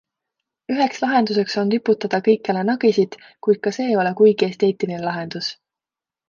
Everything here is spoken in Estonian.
Üheks lahenduseks on riputada kõikjale nagisid, kuid ka see ei ole kuigi esteetiline lahendus.